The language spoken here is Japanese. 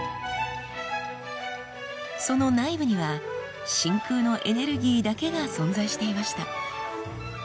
その内部には真空のエネルギーだけが存在していました。